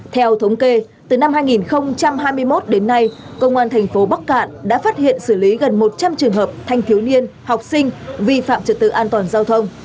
theo thống kê từ năm hai nghìn hai mươi một đến nay công an thành phố bắc cạn đã phát hiện xử lý gần một trăm linh trường hợp thanh thiếu niên học sinh vi phạm trật tự an toàn giao thông